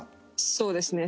そうですね。